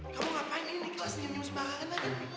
kamu ngapain ini kelasnya nyums banget